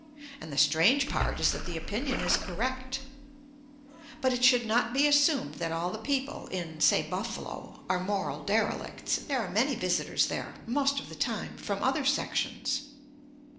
And the strange part is that the opinion is correct. But it should not be assumed that all the people in, say, Buffalo, are moral derelicts—there are many visitors there, most of the time, from other sections.